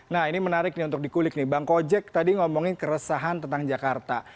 nah ini menarik nih untuk dikulik nih bang kojek tadi ngomongin keresahan tentang jakarta